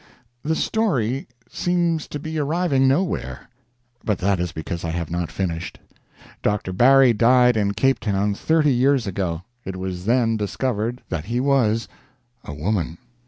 The story seems to be arriving nowhere. But that is because I have not finished. Dr. Barry died in Cape Town 30 years ago. It was then discovered that he was A WOMAN.